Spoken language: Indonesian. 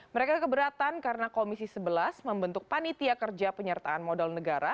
mereka keberatan karena komisi sebelas membentuk panitia kerja penyertaan modal negara